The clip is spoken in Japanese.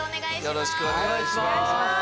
よろしくお願いします。